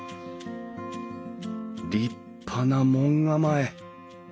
立派な門構え。